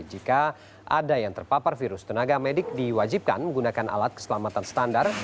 jika ada yang terpapar virus tenaga medik diwajibkan menggunakan alat keselamatan standar